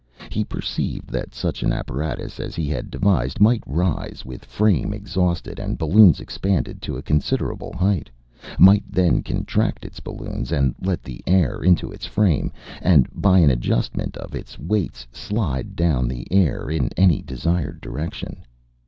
He perceived that such an apparatus as he had devised might rise with frame exhausted and balloons expanded to a considerable height, might then contract its balloons and let the air into its frame, and by an adjustment of its weights slide down the air in any desired direction.